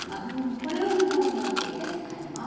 これを２本に分けて使います。